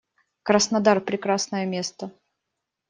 Краснодар - прекрасное место.